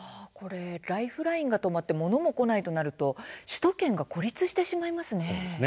ライフラインが止まって物も来ないとなると首都圏が孤立してしまいますね。